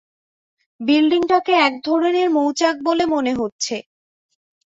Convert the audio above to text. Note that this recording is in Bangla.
বিল্ডিংটাকে এক ধরণের মৌচাক বলে মনে হচ্ছে।